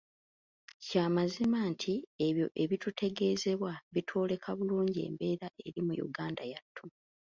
Kya mazima nti ebyo ebitutegeezebwa bitwolekera bulungi embeera eri mu Uganda yattu.